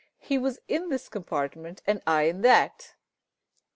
He was in this compartment, and I in that.